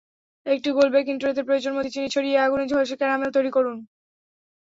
একটি গোল বেকিং ট্রেতে প্রয়োজনমতো চিনি ছড়িয়ে আগুনে ঝলসে ক্যারামেল তৈরি করুন।